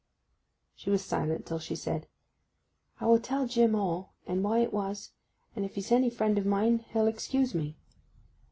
She was silent; till she said, 'I will tell Jim all, and why it was; and if he's any friend of mine he'll excuse me.